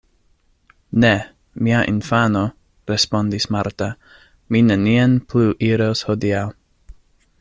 Ne, mia infano, respondis Marta, mi nenien plu iros hodiaŭ.